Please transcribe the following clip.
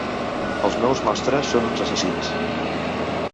Els meus monstres són uns assassins.